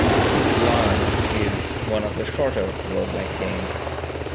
"Larn" is one of the shorter roguelike games.